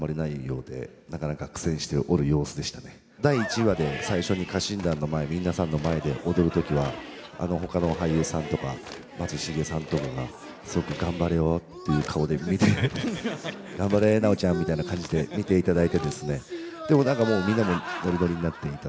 第１話で最初に家臣団の前皆さんの前で踊る時はあのほかの俳優さんとか松重さんとかがすごく頑張れよっていう顔で見て頑張れ南朋ちゃんみたいな感じで見ていただいてですねでも何かもうみんなもノリノリになっていただいて。